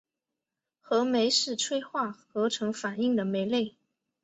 合酶是催化合成反应的酶类。